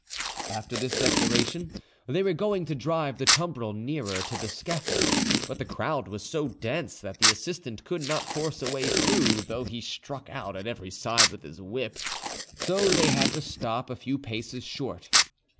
After this declaration, they were going to drive the tumbril nearer to the scaffold, but the crowd was so dense that the assistant could not force a way through, though he struck out on every side with his whip. So they had to stop a few paces short.